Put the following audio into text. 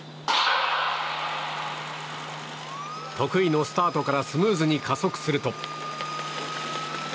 得意のスタートからスムーズに加速すると。